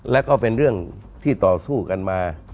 แล้วก็เป็นเรื่องที่ต่อสู้กันมา